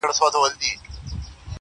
• بس کیسې دي د پنځه زره کلونو..